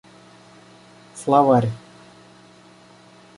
Словарь